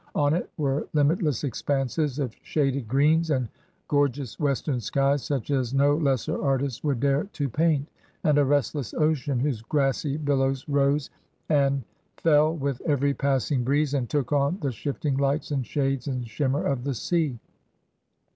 On it were limitless expanses of shaded greens and gor geous Western skies such as no lesser artist would dare to paint, and a restless ocean whose grassy billows rose and 6o ORDER NO. 11 fell with every passing breeze, and took on the shifting lights and shades and shimmer of the sea.